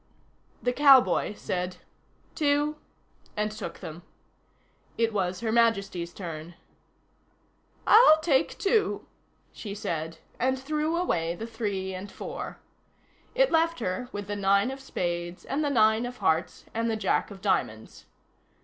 The cowboy said: "Two," and took them. It was Her Majesty's turn. "I'll take two," she said, and threw away the three and four. It left her with the nine of spades and the nine of hearts, and the Jack of diamonds.